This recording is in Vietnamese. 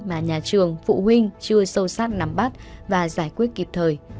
mà nhà trường phụ huynh chưa sâu sát nắm bắt và giải quyết kịp thời